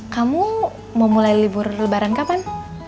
kamu mau mulai libur lebaran kapan